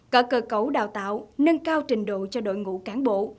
có cơ cấu đào tạo nâng cao trình độ cho đội ngũ cán bộ